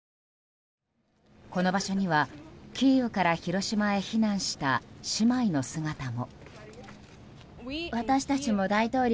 この場所にはキーウから広島へ避難した姉妹の姿も。